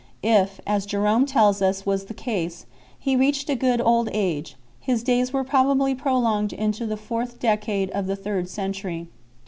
If, as Jerome 2 tells us was the case, he reached a good old age, his days were probably prolonged into the fourth decade of the third century.